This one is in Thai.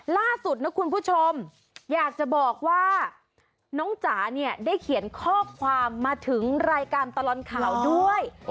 ล่าสุดนะคุณผู้ชมอยากจะบอกว่าน้องจ๋าเนี่ยได้เขียนข้อความมาถึงรายการตลอดข่าวด้วย